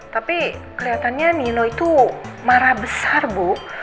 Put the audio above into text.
tapi kelihatannya nino itu marah besar bu